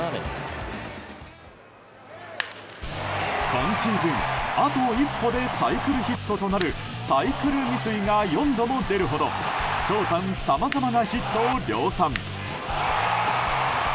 今シーズン、あと一歩でサイクルヒットとなるサイクル未遂が４度も出るほど長短さまざまなヒットを量産。